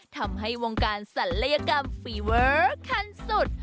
ทำให้วงการศัลยกรรมฟีเวอร์ขั้นสุด